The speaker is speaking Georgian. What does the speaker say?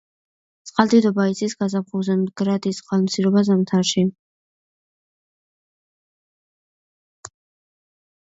წყალდიდობა იცის გაზაფხულზე, მდგრადი წყალმცირობა ზამთარში.